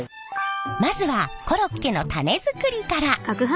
まずはコロッケのタネ作りから。